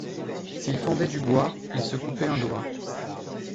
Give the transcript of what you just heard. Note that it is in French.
S’il fendait du bois, il se coupait un doigt.